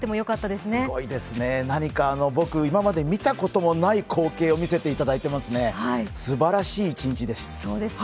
すごいですね、何か僕、今までに見たことのない光景を見せていただいていますね、素晴らしい一日でした。